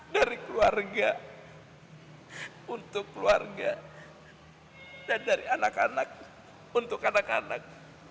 dari keluarga untuk keluarga dan dari anak anak untuk anak anak